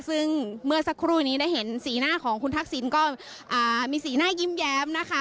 ซึ่งเมื่อสักครู่นี้ได้เห็นสีหน้าของคุณทักษิณก็มีสีหน้ายิ้มแย้มนะคะ